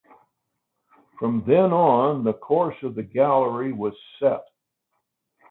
From then on, the course of the gallery was set.